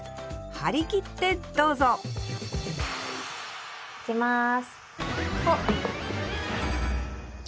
張り切ってどうぞいきます。